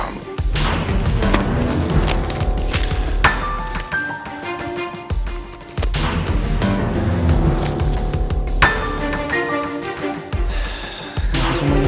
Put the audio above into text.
kenapa gak ada semua sih